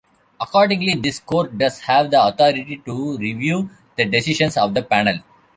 Accordingly, this Court does have the authority to review the decisions of the panel.